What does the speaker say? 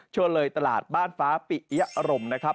เชิญเลยตลาดบ้านฟ้าปิยะรมนะครับ